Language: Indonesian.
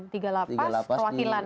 tiga lapas perwakilan ya